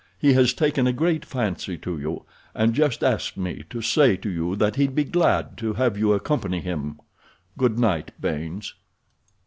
He has taken a great fancy to you, and just asked me to say to you that he'd be glad to have you accompany him. Good night, Baynes."